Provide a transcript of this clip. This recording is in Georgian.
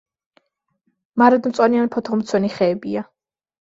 მარადმწვანე ან ფოთოლმცვენი ხეებია.